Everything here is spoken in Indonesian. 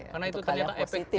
karena itu ternyata efektif